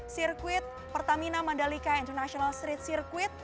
sirkuit pertamina mandalika international street circuit